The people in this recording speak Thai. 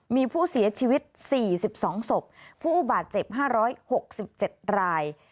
มีผู้เสียชีวิต๔๒ศพผู้บาดเจ็บ๕๖๗ราย